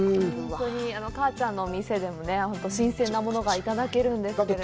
かあちゃんのお店でも新鮮なものがいただけるんですけれども。